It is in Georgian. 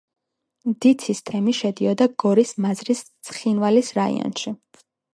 დიცის თემი შედიოდა გორის მაზრის ცხინვალის რაიონში.